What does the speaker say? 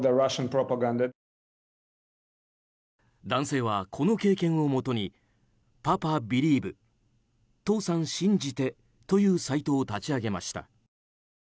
男性は、この経験をもとにパパ・ビリーブ父さん信じてというサイトを立ち上げました。